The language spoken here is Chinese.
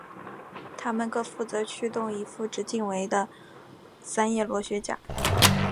它们各负责驱动一副直径为的三叶螺旋桨。